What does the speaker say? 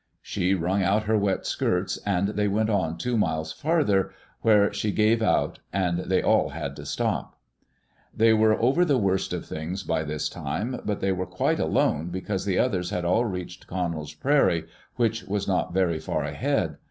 She wrung out her wet skirts and they went on 1 176] ^, Digitized by VjOOQ LC THROUGH THE NACHESS PASS two miles farther, where she gave out, and they all had to stop. They were over the worst of things by this time, but they were quite alone because the others had all reached Connell's prairie, which was not very far ahead.